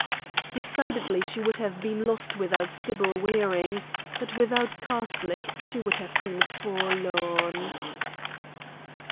Decidedly she would have been lost without Sybil Waring; but without Karslake she would have been forlorn.